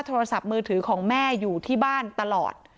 โทรศัพท์มือถือของแม่อยู่ที่บ้านตลอด